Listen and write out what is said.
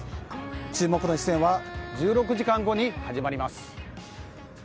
注目の一戦は１６時間後に始まります。